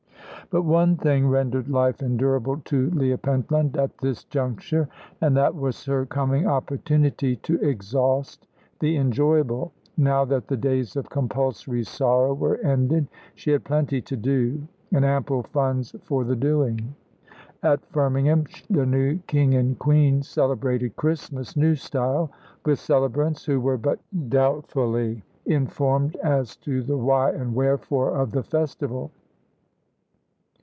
But one thing rendered life endurable to Leah Pentland at this juncture, and that was her coming opportunity to exhaust the enjoyable. Now that the days of compulsory sorrow were ended she had plenty to do, and ample funds for the doing. At Firmingham the new king and queen celebrated Christmas, new style, with celebrants who were but doubtfully informed as to the why and wherefore of the festival.